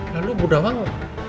lalu bu dawang